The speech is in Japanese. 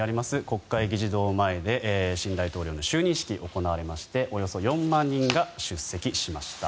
国会議事堂前で新大統領の就任式が行われましておよそ４万人が出席しました。